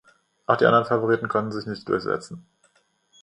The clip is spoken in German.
Auch die anderen Favoriten konnten sich nicht durchsetzen.